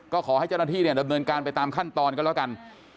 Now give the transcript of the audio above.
ก็ขอให้เจ้าหน้าที่เนี่ยดำเนินการไปตามขั้นตอนก็แล้วกัน